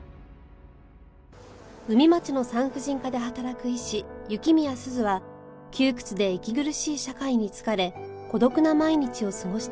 海街の産婦人科で働く医師雪宮鈴は窮屈で息苦しい社会に疲れ孤独な毎日を過ごしていた